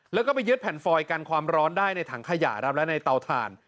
แล้วก็ไปยึดแผ่นฟอยกันความร้อนได้ในถังขยะครับและในเตาถ่าน